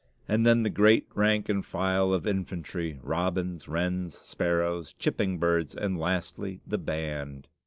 And then the great rank and file of infantry, robins, wrens, sparrows, chipping birds; and lastly the band!